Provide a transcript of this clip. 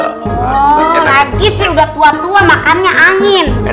lagi sih udah tua tua makannya angin